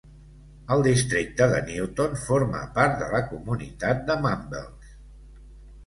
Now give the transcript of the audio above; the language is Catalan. El districte de Newton forma part de la comunitat de Mumbles.